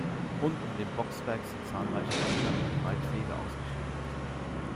Rund um den Boxberg sind zahlreiche Wander- und Reitwege ausgeschildert.